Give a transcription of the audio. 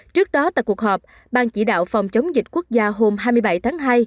trước đó tại cuộc họp ban chỉ đạo phòng chống dịch quốc gia hôm hai mươi bảy tháng hai